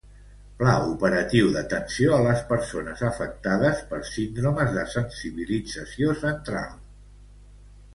Pla operatiu d'atenció a les persones afectades per síndromes de sensibilització central.